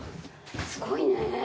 すごいね。